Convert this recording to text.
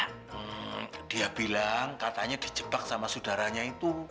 hmm dia bilang katanya dijebak sama saudaranya itu